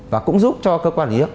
và cũng giúp cho cơ quan lý thức